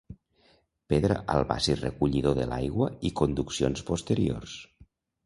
Pedra al bassi recollidor de l'aigua i conduccions posteriors.